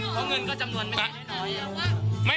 เพราะเงินก็จำนวนไม่น้อย